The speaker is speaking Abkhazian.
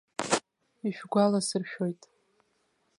Ишәгәаласыршәоит.